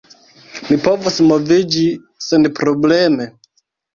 Mi povos moviĝi senprobleme.